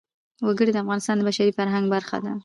وګړي د افغانستان د بشري فرهنګ برخه ده.